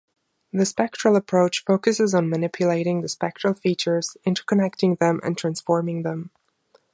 The spectral approach focuses on manipulating the spectral features, interconnecting them, and transforming them.